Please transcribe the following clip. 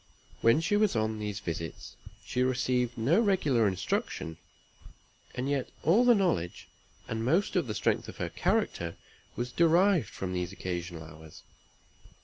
When she was on these visits, she received no regular instruction; and yet all the knowledge, and most of the strength of her character, was derived from these occasional hours.